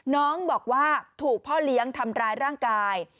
น้องบอกว่าถูกพ่อเลี้ยงทำร้ายร่างกาย